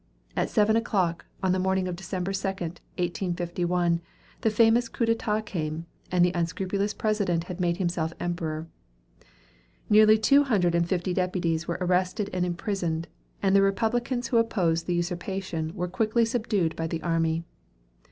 At seven o'clock, on the morning of December 2, 1851, the famous Coup d'état came, and the unscrupulous President had made himself Emperor. Nearly two hundred and fifty deputies were arrested and imprisoned, and the Republicans who opposed the usurpation were quickly subdued by the army.